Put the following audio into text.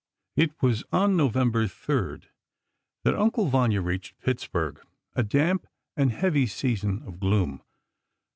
It was on November 3, that "Uncle Vanya" reached Pittsburgh, a damp and heavy season of gloom.